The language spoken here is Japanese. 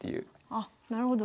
あっなるほど。